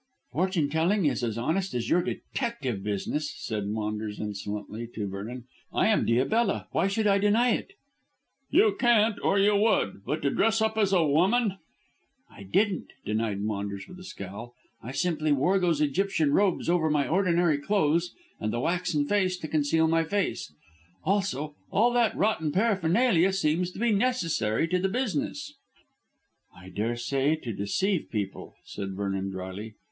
"Fortune telling is as honest as your detective business," said Maunders insolently to Vernon. "I am Diabella. Why should I deny it?" "You can't, or you would. But to dress up as a woman " "I didn't," denied Maunders with a scowl. "I simply wore those Egyptian robes over my ordinary clothes and the waxen mask to conceal my face. Also, all that rotten paraphernalia seems to be necessary to the business." "I daresay, to deceive people," said Vernon drily.